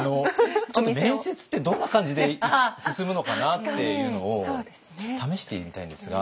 ちょっと面接ってどんな感じで進むのかなっていうのを試してみたいんですが。